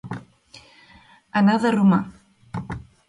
Anar de romà.